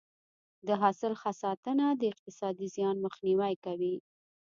د حاصل ښه ساتنه د اقتصادي زیان مخنیوی کوي.